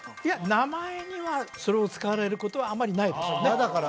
いや名前にはそれを使われることはあまりないでしょうね